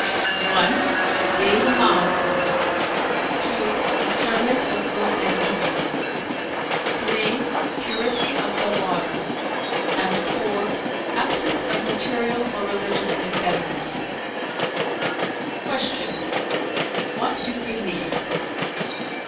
"(1) being a Moslem; (2) discernment of good and evil; (3) purity of the water, and (4) absence of material or religious impediments." Q "What is belief?"